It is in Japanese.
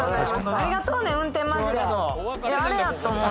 ありがとうね運転マジでうん